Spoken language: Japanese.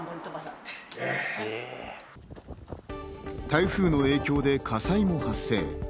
台風の影響で火災も発生。